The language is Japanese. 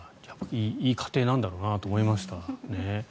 いい家庭なんだろうなと思いました。